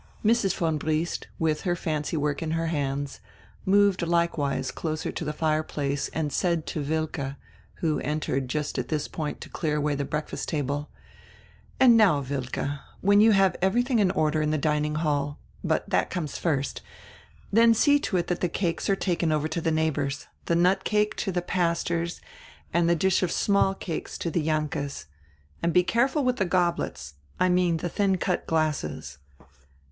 Mrs. von Briest, with her fancy work in her hands, moved likewise closer to the fireplace and said to Wilke, who entered just at this point to clear away the breakfast table: "And now, Wilke, when you have every thing in order in the dining hall — but that comes first — then see to it that the cakes are taken over to the neighbors, the nutcake to the pastor's and the dish of small cakes to the Jahnkes'. And be careful with the goblets. I mean the thin cut glasses."